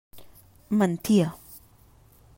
Mentia.